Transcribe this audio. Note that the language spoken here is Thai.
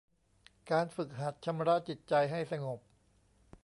การฝึกหัดชำระจิตใจให้สงบ